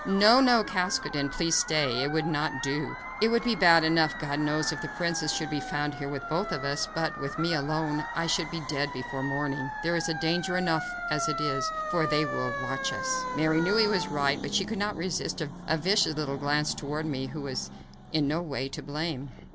"No, no; Caskoden, please stay; it would not do. It would be bad enough, God knows, if the princess should be found here with both of us; but, with me alone, I should be dead before morning. There is danger enough as it is, for they will watch us." Mary knew he was right, but she could not resist a vicious little glance toward me, who was in no way to blame.